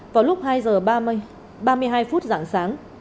vào lúc hai h ba mươi hai giảng sáng